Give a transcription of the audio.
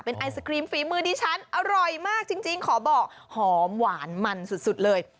ไอศครีมฝีมือดิฉันอร่อยมากจริงขอบอกหอมหวานมันสุดเลย